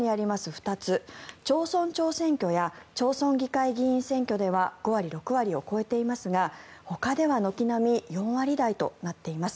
２つ町村長選挙や町村議会議員選挙では５割、６割を超えていますがほかでは軒並み４割台となっています。